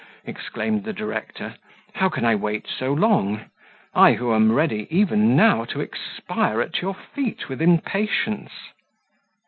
exclaimed the director. "How can I wait so long? I who am ready, even now, to expire at your feet with impatience!"